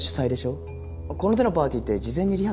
この手のパーティーって事前にリハとかやるんじゃ。